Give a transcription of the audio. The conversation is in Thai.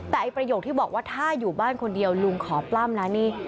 แต่ไอ้ประโยคที่บอกว่าถ้าอยู่บ้านคนเดียวลุงขอปล้ำนะนี่